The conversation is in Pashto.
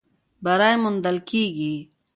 بری موندل کېږي.